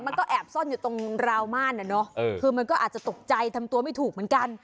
มันก็แอบซ่อนอยู่ตรงราวนม่านอ่ะเนอะคือมันก็อาจจะตกใจทำตัวไม่ถูกเหมือนกัน